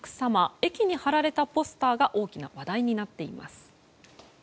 駅に貼られたポスターが大きな話題になっています。